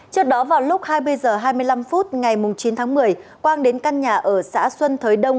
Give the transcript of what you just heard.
trước đó vào lúc hai mươi h hai mươi năm phút ngày chín tháng một mươi quang đến căn nhà ở xã xuân thới đông